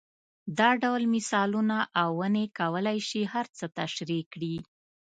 دا ډول مثالونه او ونې کولای شي هر څه تشرېح کړي.